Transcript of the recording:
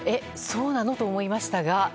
そうなの？と思いましたが。